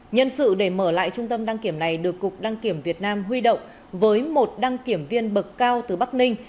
nhân sự để mở lại trung tâm đăng kiểm này được cục đăng kiểm việt nam huy động với một đăng kiểm viên bậc cao từ bắc ninh